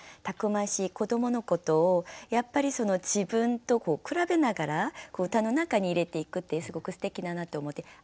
たくましい子どものことをやっぱり自分と比べながら歌の中に入れていくってすごくすてきだなと思って。